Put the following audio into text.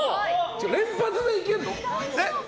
連発でいけるの？